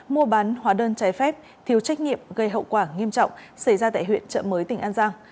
mua bán hóa đơn trái phép thiếu trách nhiệm gây hậu quả nghiêm trọng xảy ra tại huyện trợ mới tỉnh an giang